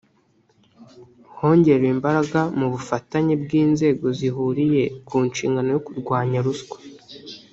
hongerewe imbaraga mu bufatanye bw inzego zihuriye ku nshingano yo kurwanya ruswa.